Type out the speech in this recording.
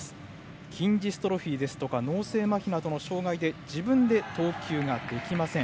筋ジストロフィーや脳性まひなどの障がいで自分で投球ができません。